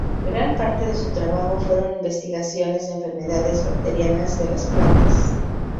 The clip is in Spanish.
Gran parte de su trabajo fueron investigaciones de enfermedades bacterianas de las plantas.